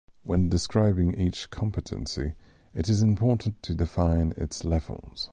When describing each competency, it is important to define its levels.